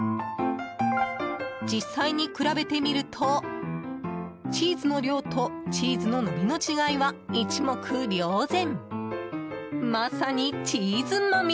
実際に比べてみるとチーズの量とチーズの伸びの違いは一目瞭然。